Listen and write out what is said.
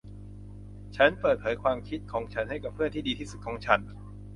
ฉันเปิดเผยความคิดของฉันให้กับเพื่อนที่ดีที่สุดของฉัน